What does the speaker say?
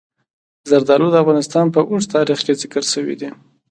زردالو د افغانستان په اوږده تاریخ کې ذکر شوي دي.